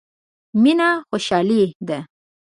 مينه خوشالي ده.